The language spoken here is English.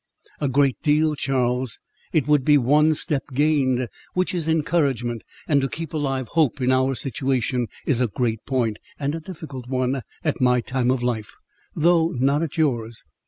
"A great deal, Charles. It would be one step gained, which is encouragement; and to keep alive hope, in our situation, is a great point, and a difficult one, at my time of life, though not at yours.